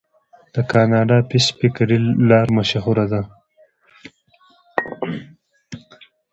د کاناډا پیسفیک ریل لار مشهوره ده.